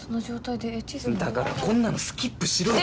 だからこんなのスキップしろよ！